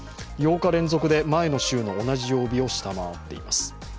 ８日連続で前の週の同じ曜日を下回っています。